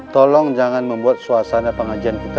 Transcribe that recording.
tolong jangan membuat suasana pengajian kita